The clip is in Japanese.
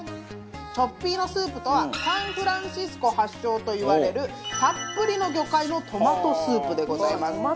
チョッピーノスープとはサンフランシスコ発祥といわれるたっぷりの魚介のトマトスープでございます。